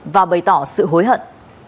và bày tỏ sự hối hận